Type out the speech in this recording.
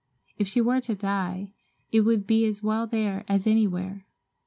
If she were to die, it would be as well there as anywhere.